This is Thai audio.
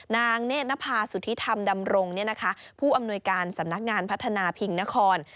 เนธนภาสุธิธรรมดำรงผู้อำนวยการสำนักงานพัฒนาพิงนคร